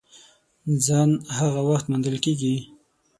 ځان هغه وخت موندل کېږي !